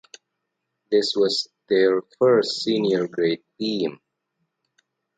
This was their first senior grade team.